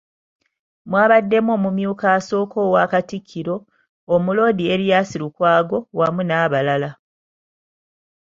Mwabaddemu omumyuka asooka owa Katikkiro, Omuloodi Erias Lukwago awamu n'abalala.